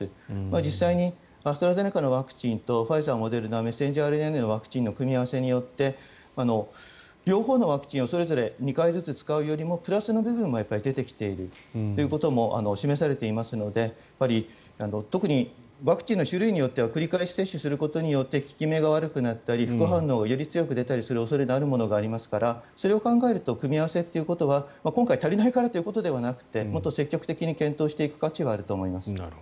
実際にアストラゼネカのワクチンとファイザー、モデルナのメッセンジャーＲＮＡのワクチンの組み合わせによって両方のワクチンをそれぞれ２回ずつ使うよりもプラスの部分は出てきていることを示されていますのでやっぱり特にワクチンの種類によっては繰り返し接種することで効き目が悪くなったり副反応がより強く出る恐れがあるものがありますのでそれを考えると組み合わせということは今回足りないからということではなくて積極的に検討する価値はあると思います。